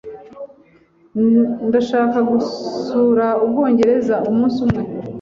Ndashaka gusura Ubwongereza umunsi umwe.